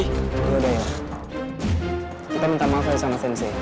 yaudah ya kita minta maaf aja sama sensei